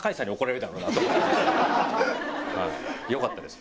よかったです